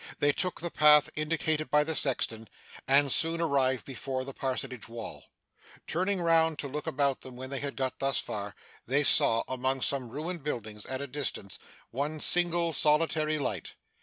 They took the path indicated by the sexton, and soon arrived before the parsonage wall. Turning round to look about them when they had got thus far, they saw, among some ruined buildings at a distance, one single solitary light.